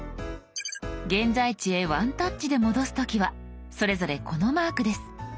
現在地へワンタッチで戻す時はそれぞれこのマークです。